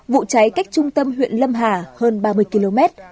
vụ cháy cách trung tâm huyện lâm hà hơn ba mươi km